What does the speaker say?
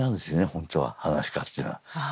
本当は噺家っていうのは。